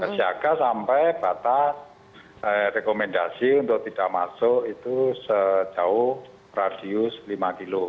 siaga sampai batas rekomendasi untuk tidak masuk itu sejauh radius lima kg